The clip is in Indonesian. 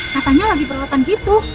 katanya lagi berlatan gitu